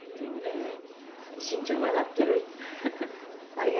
しんちゃん笑ってる。